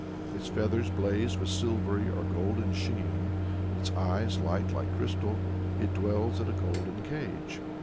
Its feathers blaze with silvery or golden sheen, its eyes shine like crystal, it dwells in a golden cage.